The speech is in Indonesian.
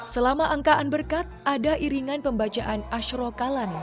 selama angkaan berkat ada iringan pembacaan ashro kalimantan